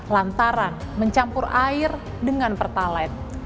lantaran mencampur air dengan pertalite